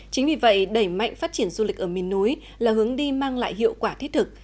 chính vì vậy đẩy mạnh phát triển du lịch ở miền núi là hướng đi mang lại hiệu quả thiết thực